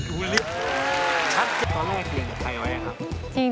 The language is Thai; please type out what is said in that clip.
ตอนแรกเคี่ยงใครไว้นะครับ